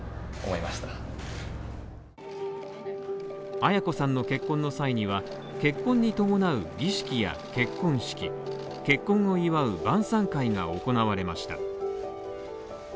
絢子さんの結婚の際には、結婚に伴う儀式や結婚式、結婚を祝う晩さん会が行われました。